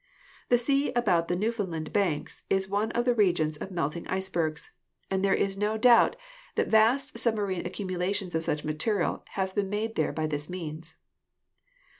The sea about the Newfoundland banks is one of the regions of melting icebergs ; and there is no DESTRUCTIVE AGENCIES 147 doubt that vast submarine accumulations of such material have been made there by this means.